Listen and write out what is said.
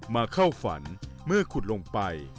เข้าฝันเมื่อขุดลงไป